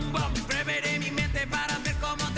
dulu udah muntar dulu